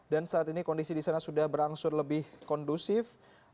dan saat ini kondisi disana sudah berangsur lebih kondusif